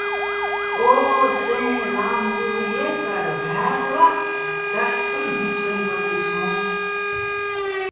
ო სეჼ ლამზურ ჲე́წარ ვჵალლაჸ დაჰ̦ ცო ჲიცოჲმაკი სოჼ.